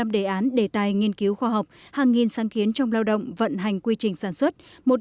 bảy trăm tám mươi năm đề án đề tài nghiên cứu khoa học hàng nghìn sáng kiến trong lao động vận hành quy trình sản xuất